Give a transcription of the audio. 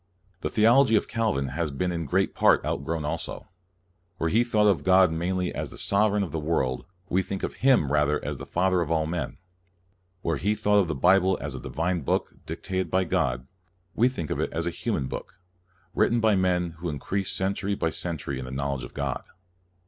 The theology of Calvin has been in great part outgrown also. Where he thought of God mainly as the Sovereign of the world, we think of Him rather as the Father of all men. Where he thought of the Bible as a divine book, dictated by God, we think of it as a human book, writ ten by men who increased century by cen tury in the knowledge of God.